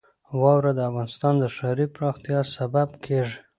واوره د افغانستان د ښاري پراختیا سبب کېږي.